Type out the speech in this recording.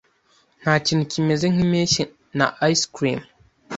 Ntakintu kimeze nkimpeshyi na ice cream.